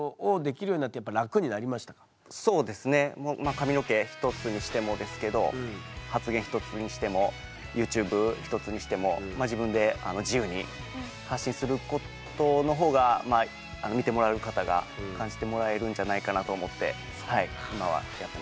髪の毛ひとつにしてもですけど発言ひとつにしてもＹｏｕＴｕｂｅひとつにしても自分で自由に発信することのほうが見てもらう方が感じてもらえるんじゃないかなと思って今はやってます。